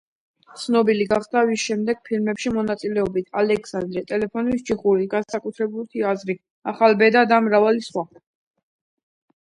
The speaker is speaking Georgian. ცნობილი გახდა შემდეგ ფილმებში მონაწილეობით: „ალექსანდრე“, „ტელეფონის ჯიხური“, „განსაკუთრებული აზრი“, „ახალბედა“, და მრავალი სხვა.